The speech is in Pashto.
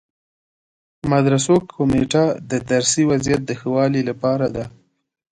مدرسو کمیټه د درسي وضعیت د ښه والي لپاره ده.